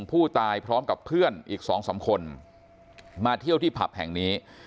พร้อมกับเพื่อนอีก๒๓คนมาเที่ยวที่ผับแห่งนี้